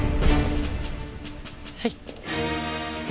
はい。